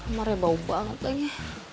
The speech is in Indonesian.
kamarnya bau banget tanya